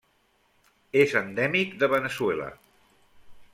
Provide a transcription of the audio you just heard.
És endèmic de Veneçuela.